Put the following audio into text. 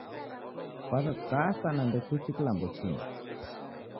Kwaw'ekukasa na ndekuichi kilambo chingi